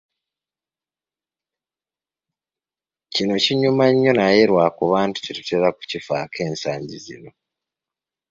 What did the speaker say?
Kino nno kinyuma nnyo naye lwa kuba nti tetutera kukifaako ensangi zino.